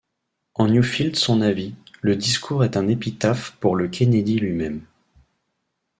En Newfield son avis, le discours est un épitaphe pour le Kennedy lui-même.